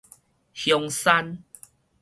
香山